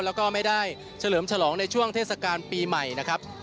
แล้วก็ไม่ได้เฉลิมฉลองในช่วงเทศกาลปีใหม่นะครับ